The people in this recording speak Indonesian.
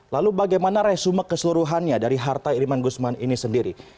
lalu bagaimana resume keseluruhannya dari harta irman gusman ini sendiri